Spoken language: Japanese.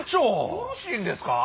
よろしいんですか？